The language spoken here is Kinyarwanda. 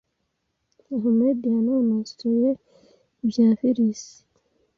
Almeida yanonosoreye ibya virusi